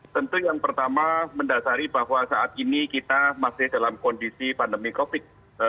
tentu yang pertama mendasari bahwa saat ini kita masih dalam kondisi pandemi covid sembilan belas